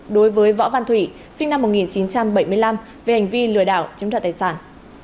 đối với võ văn thủy sinh năm một nghìn chín trăm bảy mươi năm về hành vi lừa đảo chiếm đoạt tài sản